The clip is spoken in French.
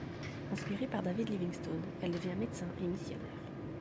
Inspirée par David Livingstone, elle devient médecin et missionnaire.